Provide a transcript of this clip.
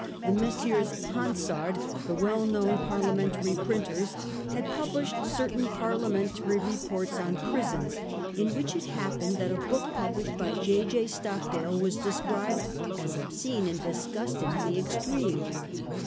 The Messrs. Hansard, the well known Parliamentary printers, had published certain Parliamentary reports on prisons, in 1839 40. TIIE STOCKDALE CASE. 191 which, it happened that a hook published by J. J. Stockdale was described as obscene and disgusting in the extreme.